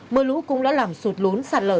mưa lũ cũng đã làm sụt lún sạt lở